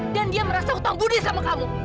dan dia merasa hutang budi sama kamu